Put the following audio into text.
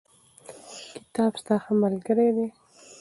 کتاب ستا ښه ملګری دی.